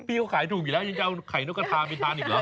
พี่เขาขายถูกอยู่แล้วยังจะเอาไข่นกกระทาไปทานอีกเหรอ